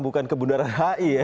bukan ke bundaran hi ya